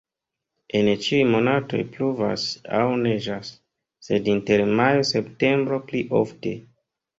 En ĉiuj monatoj pluvas aŭ neĝas, sed inter majo-septembro pli ofte.